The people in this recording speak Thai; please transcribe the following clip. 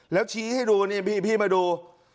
แล้วชี้ให้ดูนี่พี่มาดู